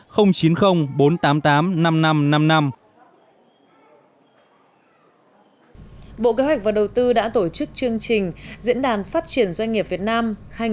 bộ kế hoạch và đầu tư đã tổ chức chương trình diễn đàn phát triển doanh nghiệp việt nam hai nghìn một mươi chín